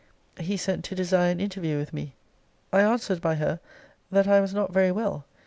He sent to desire an interview with me. I answered by her, That I was not very well.